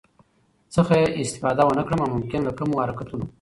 څخه استفاده ونکړم او ممکن له کمو حرکتونو